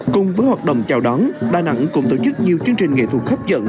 cùng với hoạt động chào đón đà nẵng cũng tổ chức nhiều chương trình nghệ thuật hấp dẫn